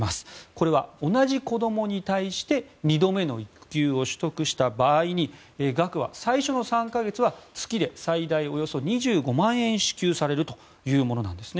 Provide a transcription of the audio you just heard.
これは同じ子供に対して２度目の育休を取得した場合に額は最初の３か月は月で最大およそ２５万円支給されるというものです。